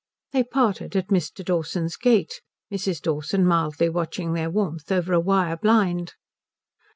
They parted at Mr. Dawson's gate, Mrs. Dawson mildly watching their warmth over a wire blind.